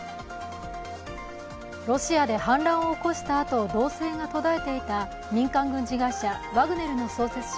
ロシアで反乱を起こしたあと動静が途絶えていた民間軍人会社ワグネルの創設者